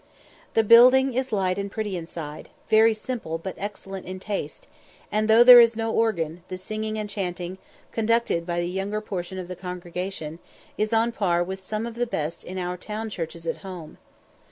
The building is light and pretty inside, very simple, but in excellent taste; and though there is no organ, the singing and chanting, conducted by the younger portion of the congregation, is on a par with some of the best in our town churches at home.